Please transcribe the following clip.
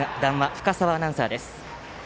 深沢アナウンサーです。